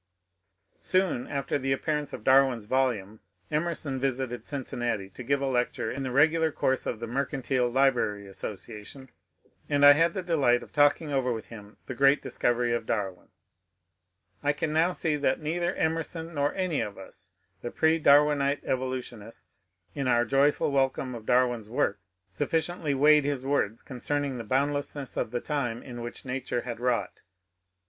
Soon after the appearance of Darwin's volume Emerson visited Cincinnati to give a lecture in the r^^lar course of the Mercantile Library Association, and I had the delight of talking over with him the great discovery of Darwin. I can now see that neither Emerson nor any of us — the pre Darwinite Evolutionists — in our joyful welcome of Dar win's work' sufficiently weighed his words concerning the boundlessness of the time in which nature had wrought.